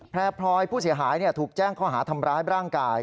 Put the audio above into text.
แพร่พลอยผู้เสียหายถูกแจ้งข้อหาทำร้ายร่างกาย